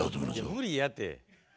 無理やて。